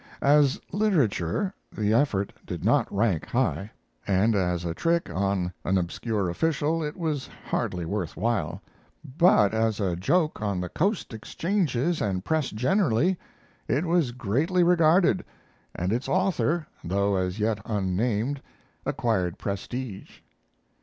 As literature, the effort did not rank high, and as a trick on an obscure official it was hardly worth while; but, as a joke on the Coast exchanges and press generally, it was greatly regarded and its author, though as yet unnamed, acquired prestige.